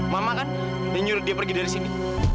mama kan yang nyuruh dia pergi dari sini